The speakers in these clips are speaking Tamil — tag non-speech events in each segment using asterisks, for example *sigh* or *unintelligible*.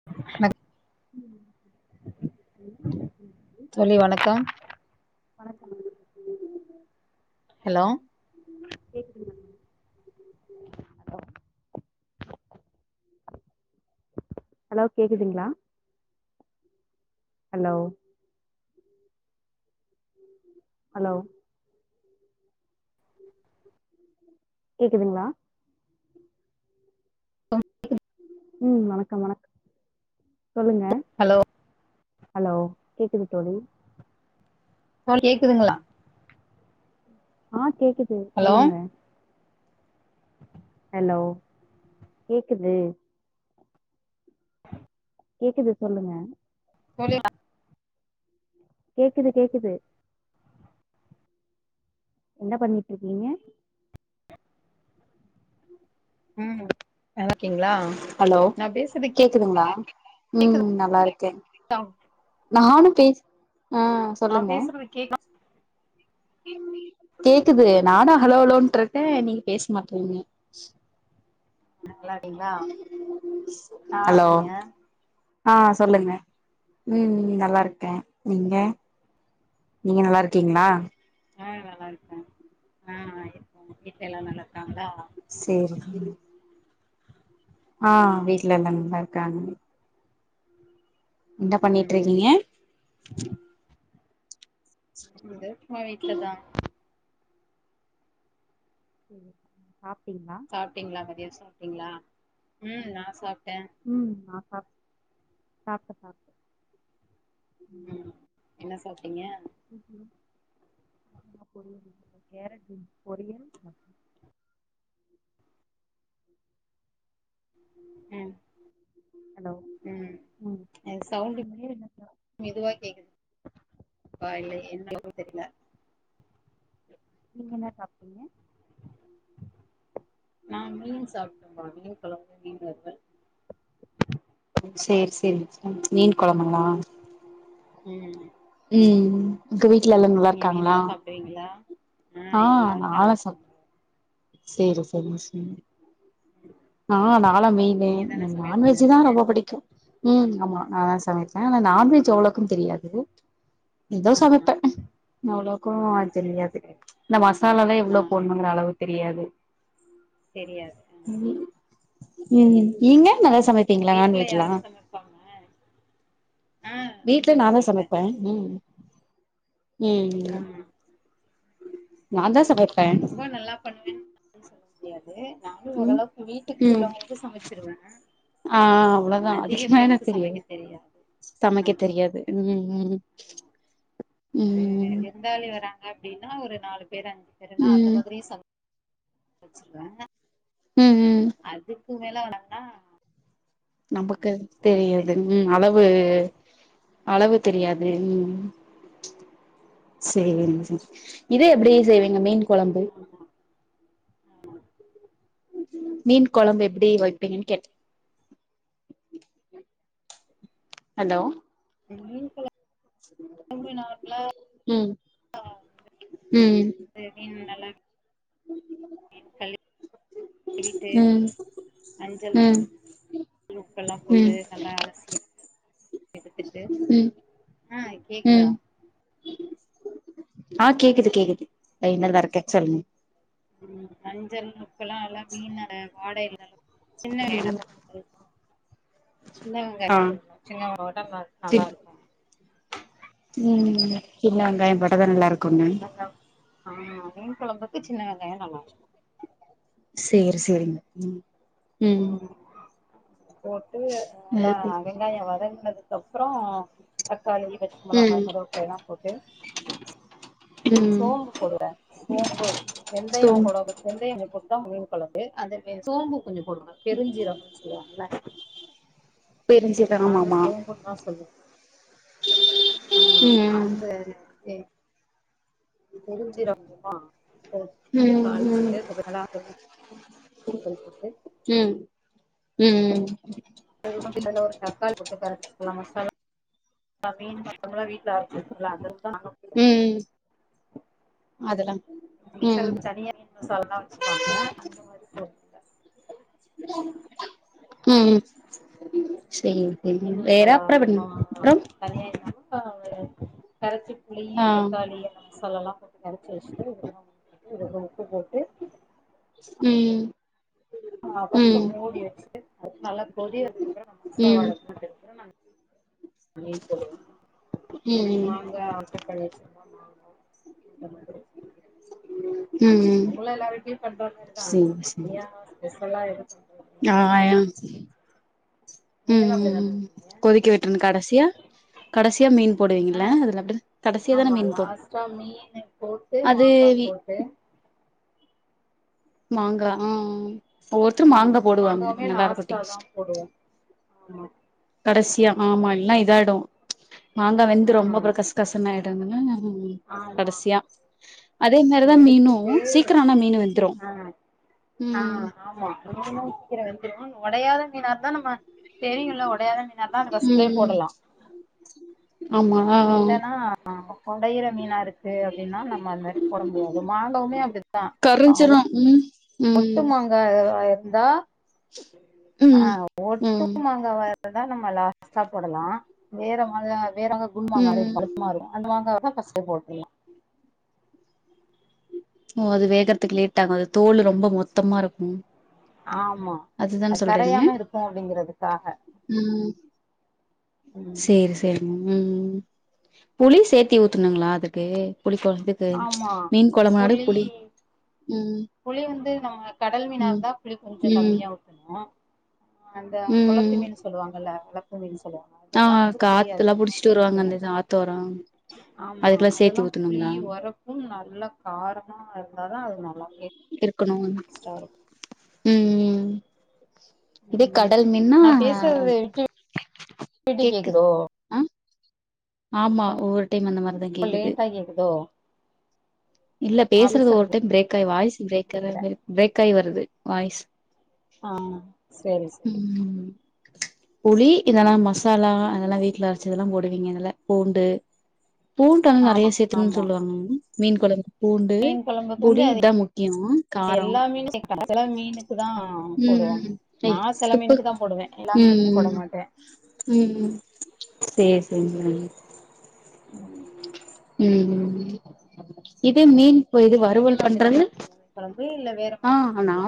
*inaudible* ம் எப்டி *unintelligible* தோழி வணக்கம் ஹலோ கேக்குதுங்களா ஹலோ கேக்குதுங்ளா ஹலோ ஹலோ கேக்குதுங்ளா *inaudible* ம் வணக்கம் வணக் சொல்லுங்க ஹலோ ஹலோ கேக்குது தோழி தோழி கேக்குதுங்ளா ஆ கேக்குது ஹலோ சொல்லுங்க ஹலோ கேக்குது கேக்குது சொல்லுங்க வெளில கேக்குது கேக்குது என்ன பண்ணிட்ரிக்கீங்க ஆமா ஹலோ பேசுறது கேக்குதுங்ளா ம் நல்லாருக்கே கேக்குதா நானு பேஸ் ஆ நா சொல்லுங்க பேசுறது கேக்தா கேக்குது நானு ஹலோலோன்ட்ருக்கே நீங்க பேச மாட்றீங்க ஆ ஹலோ நீங்க ஆ சொல்லுங்க ம் ம் நல்லாருக்க நீங்க நீங்க நல்லாருக்கீங்ளா ஆ நல்லா இருக்கே அ அ இருக்காங்க வீட்ல எல்லாரு நல்லாருக்காங்ளா சேரி ஆ வீட்ல எல்லாரு நல்லா இருக்காங்க என்ன ம் பண்ணிட்ருக்கீங்க அது சும்மா வீட்ல தா சாப்டீங்ளா சாப்டீங்ளா மதியொ சாப்டீங்ளா ம் நா சாப்ட்ட ம் நா சாப்ட்ட சாப்ட்ட சாப்ட்ட ம் என்ன சாப்ட்டீங்க என்ன பொரியல் கேரட் பீன்ஸ் பொரியல் ம் ஹலோ ம் எ சவுண்ட்டு நீங்க என்ன சாப் மெதுவா கேக்குது ப்பா இல்ல என்ன ஓ தெரில நீங்க என்ன சாப்ட்டீங்க நா மீன் சாப்ட்டே தோழி மீன் கொழம்பு மீன் வறுவல் சேரி சேரி மீன் கொழம்புங்ளா ம் ம் உங்க வீட்ல எல்லாம் நீங்க மீனெல்லாம் சாப்புடுவீங்களா ஆ நால்லா சாப் சேரி சேரி சேரி ஆ நாலா மீனு நீங்க தான எனக் சமையல் நான்வெஜ்ஜு தா பண்ணுவீங்க ரொம்ப புடிக்கு ம் ஆமா நா தா சமப்பெ ஆனா நான்வெஜ் அவ்ளோக்கா தெரியாது ஏதோ ஆ சமப்பே அவ்ளோக்கோ செரி தெரியாது செரி இந்த மசாலா எலா ஆ எவ்ளோ ஆ போடணுங்கற அளவு தெரியாது தெரியாது அ ம் நீங்க நல்லா சமப் வீட்ல யாரு சமப்பாங்க வீட்ல நாந்தா சமப்பே ம் ம் ஆ நான்தாஸ் அது ரொம்ப நல்லா பண்ணுவன் னு சொல்ல முடியாது நானு ம் ஓரளவுக்கு ம் வீட்டுக்குள்ளவங்களுக்கு சமச்சிருவே ஆ அவ்ளொ தா அதிகமா எனக் தெரியாது சமைக்கத் ஆமா தெரியாது ம் ம் அ ம் விருந்தாளி வராங்க அப்டின்னா ஒரு நாலு பேரு அஞ்சு பேருன்னா ம் அந்த மாதிரியு சமப் வெச்சுருவே ம் ம் அதுக்கு மேல வனங்னா நமக்கு தெரியாது ம் அளவு தெரியு அளவு தெரியாது ம் செரிங்க செரி இத எப்டி செய்வீங்க மீன் கொழம்பு அ ஆ ஆ மீன் கொழம்பு எப்பிடி வெப்பீங்கென் கேட் ஹலோ ந்த மீன் கொழ ரொம்பி நார்ம்ல ம் அ வந்து ம் செஞ்சபின் நல்லா மீன் கழு விட்டு ம் மஞ்சள் ம் தூள் உப்பெல்லா ம் போட்டு நல்லா அலசி எடுத்துட்டு ம் ஆ கேக்குதா ம் ஆ கேக்குது கேக்குது இல்ல இன்னொருதருக்க சொல்லுங் ம் மஞ்சள் உப்பெல்லா நல்லா மீனோட வாட இல்லாம சின்ன வெங்கய்னா ம் அது ஆ சின்னவெங்காய்ந்தா போடனு சின்னவங் போட்டா நல் நல்லா சிப் இரு ம் சின்ன வெங்காயம் போட்டாதா நல்லா இருக்குண்ண ஆமா ஆ மீன் கொழம்புக்கு சின்ன வெங்காயோ நல்லா இருக்கு சேரி சேரிங்க ம் ம் போட்டு நல்லா அது போ வெங்காயோ வதங்குனதுக்கப்றோ தக்காளி பச்சுமொளகா ம் கருவப்புலேலா போட்டு ம் சோம்பு போடுவ சோம்பு வெந்தயம் சோம் போடாத வெந்தயம் போட்டத்தா மீன் கொழம்பு அந்த வெ சோம்பு கொஞ்சோ போடுங்க பெருஞ்சீரகோ சோம்புவ பெரிஞ்சீர் நாங்க சோம்புந்தா சொல்லுவோ ஆ ம் அந்த பெருஞ்சீர கொஞ்சோந்தா போ ம் ட்டு தாளுச்சுட்டு கொஞ்சு நல்லா கொதி கொதிக்க விட்டு ம் ம் ம் ம் எதுக்கு கிண்டல்ல ஒரு தக்காளி போட்டு கரச்சுக்குலா மசாலா நா மீன் மசாலா வீட்ல அரச்சு வச்சுக்குடுவ அத ம் ம் அதெல்லா செல ம் பேர் தனியா மீன் மசால்லா வச்சுப்பாங்க அந்த மாரி போ ம் சேரி மீன் வேற மசாலா அப்றோ வென் ஆ அப்றோ தனியா இல்லாம ஒரு கரச்சப்புளி ஆ தக்காளி அந்த மாரி மசாலாலா போட்டு கரச்சு வஸ்ட்டு இதெல்லா ஊத்திட்டு கொஞ்சோ உப்பு போட்டு ம் ஆ ஃபஸ்ட்டு ம் மூடி வச்சுட்டு அது நல்லா கொதிவந்தக்கப்புறோ அந்த ம் மசாலால போட்டக்கப்புறம் அந் அந்த மீன் போட்னு அந்த மீன் ம் வாங்க ஆட்ரு பண்ணி வச்சிர்ந்தா வாங்குங்க வந்துடு ம் ம் இங்களா எல்லார் வீட்லியு பண்ற மாரிதா சேரி தனியா ஸ்பெஷலா இரு யா எம் ம் நீங்களும் ம் அப்படிதான ம் பண்ணுவீங்க கொதிக்க விட்ருன்னு கடசியா கடசியா மீன் போடுவீங்ளா ஆ அதுல அப்டின் கடைசியாதான மீன் போ த்து மாங்கா போட்டு மாங்கா ம் ஒவ்வொருத்தரு ம் மாங்கா போடுவாங்க மாங்காவுமே நல்லா இருக்கு லாஸ்ட்டா தா டேஸ்ட் போடுவோ ஆமா கடசியா ஆமா இல்னா இதாய்டு மாங்கா வெந்து ரொம்ப அப்புறோ கஸ் கசன் ஆய்டு ம் ஆ ஆமா கடசியா அதே மாரிதா மீனு எடுத்துட்டு சீக்கிரோ ஆனா மீனு வெந்துரு ஆ ஆ ம் ஆமா ர சீ வந்து உடையாத மீனா ர்ந்தா நம்ம தெரியுல்ல உடையாத மீன் உ இல்லைன்னா ஒடையிற மீனா இருக்கு அப்படின்னா நம்ம அது மாரி புட முடியாது மாங்கவுமே அப்படித்தா கரஞ்ச்சிரு உ ஒட்டு மங்கா இதுவா இருந்தா உ ஒட்டும் மாங்க வா இர்ந்தா நம்ம லாஸ்ட்டா போடலா வேற மாத வேற உண் வாங்க அதையு ம் பழுப்புமா வருஅந்த மாங்காவார்ந்தா ஃபஸ்டே போட்டுருலா ஓ அது வேகறதுக்கு லேட்டாங்க அது தோல் ரொம்ப மொத்தமா இருக்கு ஆமா அதுதான அது கரையாம இருக்கும்கோம் அப்படிங்கறதுக்காக உ ம் சேரி சே தெரி உ புளி சேத்தி ஊத்துனுங்களா அதுக்கு புளி கொழம்பு து ஆமா மீன் கொழமாடு புளி உ புளி வந்து நம்ம கடல் மீனா இருந்தா புளி கொஞ்சோ ம் கம்மியா ஊத்தணு ஆ அந்த ம் கொளத்து மீன் சொல்லுவாங்கல்ல கொளத்து மீன் சொல்லுவா ஆ அதெல்லா வந்து புளி காத்துல்லா அதிகமா புடிச்சிட்டு வருவாங்க சேத்துக்கணு அந்த இது ஆத்தோரோ ஆமா அதுக்கெல்லா சேத்தி அதெல்லா புளி ஊத்தணுங்களா ஒரப்பு நல்ல காரமா இருந்தாதா அது நல்லாவே இருக்குன்னு ஸ்டார் உ உ இதே ம் கடல் மீன்னா நா பேசுறது விட்டு விட்டு கேக்கு கேக்குதோ அ ஆமா ஒவ்வொரு டைம் அந்த மாரிதா கேக்குது *unintelligible* கேக்குதோ இல்ல பேசுறது ஒரு டைம் பிரேக் ஆய் வாய்ஸ் பிரேகா தா இருந்துது பிரேக் ஆயி வருது வாய்ஸ் ஆ செரி செரி ம் புளி இல்லனா மசாலா அதெல்லா வீட்ல அரைச்சதெல்லா போடுவீங்க அதல பூண்டு பூண்டல்லா நெறைய ஆமா சேத்தனுன்னு சொல்லுவாங்க மீன் குழம்பு பூண்டு மீன் கொழம்புக்கு வந்து புளி அது தா முக்கியோ காரோ எல்லா மீனு சேக்க சில மீனுக்கு தா உ உ போடுவாங்க நா ஹேய் சில துப்பு மீனுக்கு தா போடுவே எல்லா உ மீனுக்கு உ போட மாட்டே உ உ உ செரி செரிங்க மேம் ம் உ உ உ இது மீன் ஓ இது வறுவல் நீங்களு பண்றது அப்டித்தான வப்பீங்க மீன் கொழம்பு இல்ல வேற மாதிரி வப்பீங்களா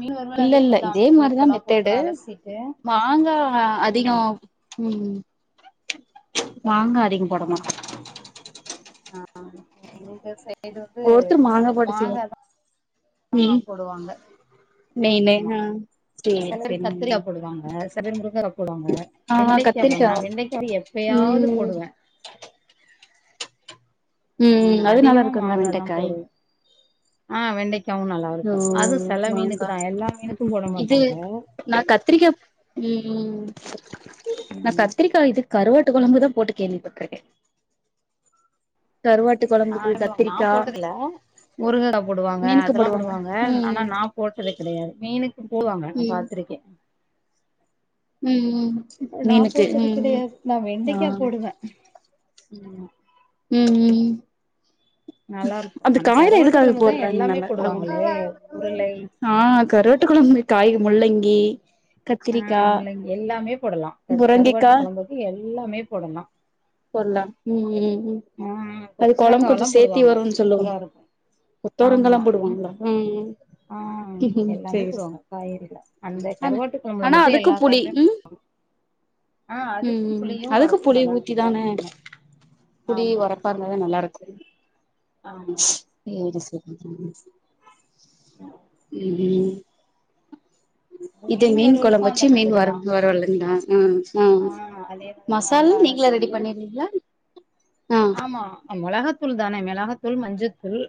மீன் வருவல் அதே இல்லல்ல மாரிதா இதே மஞ்சள் மாரிதா உப்பெல்லா போட்டு மெத்தடு நல்லா அலசிட்டு மாங்கா அதிகோ ம் ம் ம் மாங்கா அதிகம் ம் ஆ ஆ முருங்கா சேப் இது வந்து ஒருத்தர் போட்டு செய்வோ மாங்கா தா மா போடுவாங்க நெய் நெய் ஆமா நா சில பேர் கத்திரிக்கா போடுவாங்க சில பேர் முருங்கா போடுவாங்க ஆ வெண்டைக்கா போடுவாங்க கத்திரிக்கா நா வெண்டைக்கா எப் பேயாவது ம் போடுவே ஆ ம் அது நல்லா அதிகமா இருக்குங்களா மாங்கா தா வெண்டக்காய் போடுவோ ஆ வெண்டைக்காவு நல்லா ஓ இருக்கோ அதுவு செல மீனுக்கு மாங்கா தா எல்லா மீனுக்கு போட இது மாட்டாங்க நா கத்திரிக்கா உ உ நா ம் கத்திரிக் கா இது கருவாட்டு கொழம்பு தா போட்டு கேள்விபட்டிருக்கே ஆ கொழம்புக்கு பாங்க நா கத்திரிக்கா போட்டதில்லா முருங்கக்கா போடுவாங்க மீனுக்கு அதெல்லா போடுவாங்க ம் ஆனா நா போட்டது கெடையாது மீனுக்கு போடுவாங்க நா ம் ம் பாத்திருக்கே ம் நா மீனுக்கு போட்டது ம் ம் கெடையாது நா ஆ வெண்டைக்கா போடுவே உமா உ உ உ நல்லா இருக்கு அந்த ஆனா காய்லா கருவாட்டு எதுக்காக கொழம்புதா போறாங் எல்லாமே நல்ல போடுவாங்களே உருளை ஆ கருவாட்டு கொழம்பு காய் முள்ளங்கி ஆ கத்திரிக்கா முள்ளங்கி எல்லாமே போடலா க கருவாட்டு முரங்கைக்கா கொழம்புக்கு எல்லாமே போடலா போட்லா ம் ம் ம் ஆ அது கொழம்பு கொஞ்சோ கொத்தரங்காலா சேத்தி போடுவாங்க வருன் சொல்லு சூப்பரா இருக்கு கொத்தவரங்காலா ஆமா போடுவாங்ளா ம் ம் ஆ எல்லாமே சேரி போடுவாங்க காய்கறில அந்த கருவாட்டு கொழம்புல ஆனா மட்டு அதுக்கு எல்லா புளி காயுமே ம் போடுவாங்க ஆ அதுக்கு புளியு ஒரப்பு நல்லா இருக் இதான புளி ஒரப்பா இருந்தாதா நல்லாருக்கு ஆமா சேரி சேரி செரி செரி ம் ஹூ இது மீன் வறுவலுக்கு கொழம்ப் வச்சி அந்த மீன் வற மாதிரிதா வறுவலுங்ளா ம் ஆ அதே மாதிரிதா மசால் நல்லா நீங்ளா ரெடி அலசிட்டு பண்ணிடுவீங்ளா ஆமா மொளகாத்தூள் தானே மெளகத்தூள் மஞ்சத்தூள்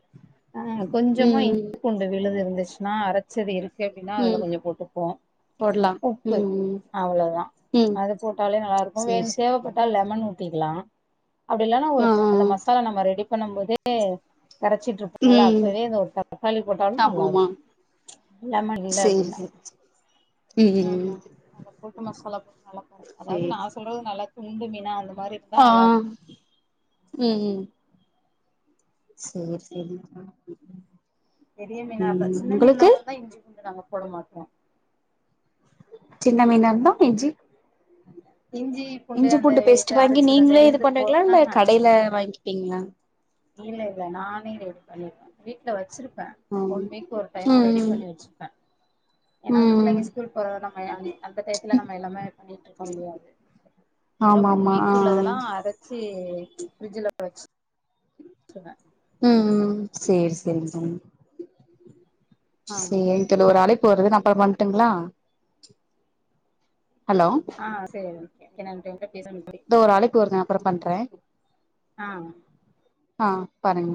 ஆ கொஞ்சமா ம் ம் இஞ்ச் பூண் டு விழுது இருந்துச்சுன்னா அரச்சது இருக்கு அப்டின்னா அதுல ம் கொஞ்ச போட்டுப்போ போடலா உப்பு ம் ம் அவ்ளதா ம் அது போட்டாலே நல்லாருக்கு சேரி வேண் சேரி தேவப்பட்டால் லெமன் ஊ த்திக்லா அப்டி இல்லனா ஒரு ஆ ஆ அந்த மசாலா நம்ம ரெடி பண்ணும் போதே கரச்சிட்ருப் போல ம் அப்பவே இந்த ஒரு தக்காளி போட்டாலு ஆமா ஆமா நல்லாருக்கு லெமன் இல்ல சேரி அப்டின்னா சேரி ம் ம் ஆமா அத போட்டு மசாலா போட்டு நல்லா கர அதாவது சேரி நா சொல்றது நல்லா துண்டு மீனா அந்த மாரி இருந்தா ஆ நல்லா ம் இருக்கும் ம் சேர் செரி ம் ம் பெரிய மீனாதா சின்ன மீன்லா உங்களுக்கு வந்தா இஞ்சி பூண்டு நாங்க போட மாட்டோ சின்ன மீனா இருந்தா இஞ்சி இஞ்சி இஞ்சி அந்த பூண்டு பேஸ்ட்டு இது வாங்கி அரைச்சது அந்த நீங்ளே இது விழுது போ பண்ணுவீங்ளா இல்ல ஆஹா கடைல வாங்கிப்பீங்ளா இல்ல இல்ல நானே ரெடி பண்ணிருவே வீட்ல வச்சிருப்ப ம் ஒன் வீக் ஒரு டையோ ரெடிப் ம் பண்ணி வச்சுப்பே ஏன்னா ம் ம் புள்ளைங்க ஸ்கூல் போற நம்ம யா நி அந்த டைத்துல நம்ம எல்லாமே பண்ணிட்ருக்க முடியாது அதா ஆமா ஒன் ஆமா ஆ வீக் உள்ளதெல்லா அரச்சி ஃப்ரிட்ஜ்ல வச் ட்ருவே ம் ம் சேர் செரிங் தோழி ஆமா சேரி தோழி ஒரு அலைப்பு வருது நா அப்ரோமா வண்ட்டுங்ளா ஹலோ *unintelligible* தோ ஒரு அலைப்பு வருது நா அப்ரோ பண்ற ஆ ஆ பாருங்க